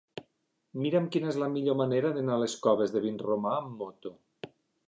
Mira'm quina és la millor manera d'anar a les Coves de Vinromà amb moto.